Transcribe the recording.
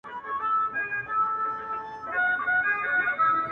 o ترور دوهمه مور ده.